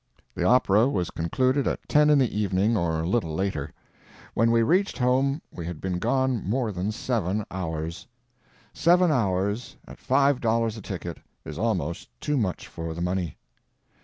The opera was concluded at ten in the evening or a little later. When we reached home we had been gone more than seven hours. Seven hours at five dollars a ticket is almost too much for the money.